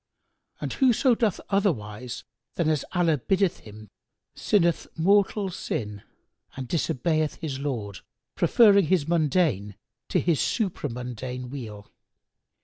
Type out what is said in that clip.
And whoso doth otherwise than as Allah biddeth him sinneth mortal sin and disobeyeth his Lord, preferring his mundane to his supra mundane weal.